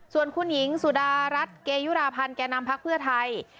ส่วนคุณหญิงสุดารัฐเกยุราพันธ์แก่นำพักเพื่อไทย